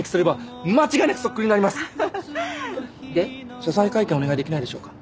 謝罪会見お願いできないでしょうか？